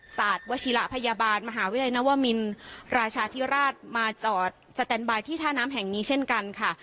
ศาสตร์วชิระพยาบาลมหาวิทยาลัยนวมินราชาธิราชมาจอดสแตนบายที่ท่าน้ำแห่งนี้เช่นกันค่ะ